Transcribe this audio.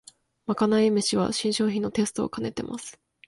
まかない飯は新商品のテストをかねてます